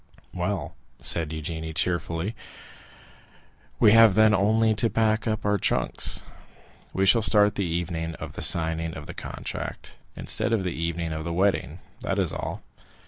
'" 50035m "Well," said Eugénie cheerfully, "we have then only to pack up our trunks; we shall start the evening of the signing of the contract, instead of the evening of the wedding—that is all."